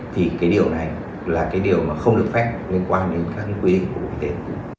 thì cái điều này là cái điều mà không được phép liên quan đến các cái quy định của bộ y tế